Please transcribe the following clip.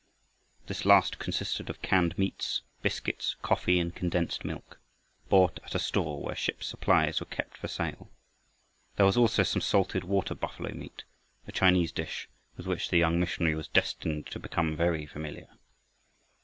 This last consisted of canned meats, biscuits, coffee, and condensed milk, bought at a store where ships' supplies were kept for sale. There was also some salted water buffalo meat, a Chinese dish with which the young missionary was destined to become very familiar.